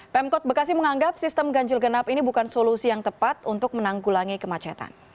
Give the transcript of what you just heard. pemkot bekasi menganggap sistem ganjil genap ini bukan solusi yang tepat untuk menanggulangi kemacetan